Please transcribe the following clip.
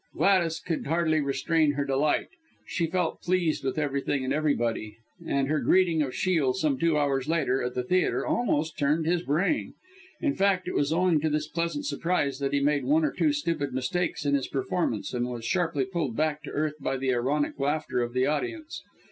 Gladys could hardly restrain her delight. She felt pleased with everything and everybody; and her greeting of Shiel, some two hours later, at the theatre, almost turned his brain. In fact it was owing to this pleasant surprise, that he made one or two stupid mistakes in his performance, and was sharply pulled back to earth by the ironic laughter of the audience.